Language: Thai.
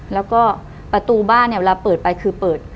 แล้วก็ประตูบ้านเนี่ยเวลาเปิดไปคือเปิด